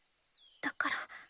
だから。